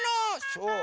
そう？